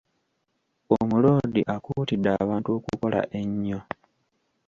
Omuloodi akuutidde abantu okukola ennyo.